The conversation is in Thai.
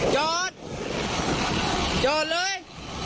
โจทย์